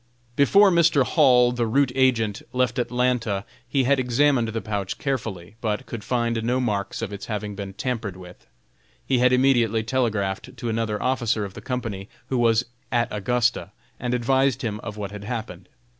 Before Mr. Hall, the route agent, left Atlanta he had examined the pouch carefully, but could find no marks of its having been tampered with. He had immediately telegraphed to another officer of the company, who was at Augusta, and advised him of what had happened.